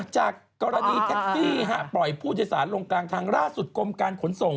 จากกรณีแท็กซี่ปล่อยผู้โดยสารลงกลางทางล่าสุดกรมการขนส่ง